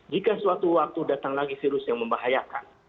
jika suatu waktu datang lagi virus yang membahayakan